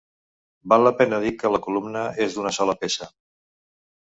Val la pena dir que la columna és d'una sola peça.